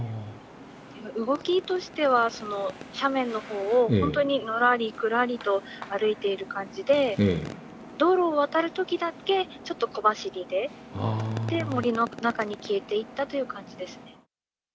動きとしては、斜面のほうを本当にのらりくらりと歩いている感じで、道路を渡るときだけ、ちょっと小走りで、森の中に消えていったという感じですね。